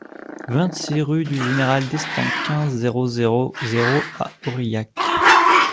vingt-six rue du Général Destaing, quinze, zéro zéro zéro à Aurillac